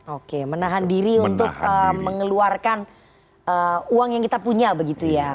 oke menahan diri untuk mengeluarkan uang yang kita punya begitu ya